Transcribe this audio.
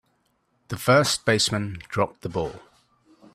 The first baseman dropped the ball.